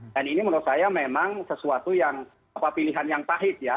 dan ini menurut saya memang sesuatu yang apa pilihan yang pahit ya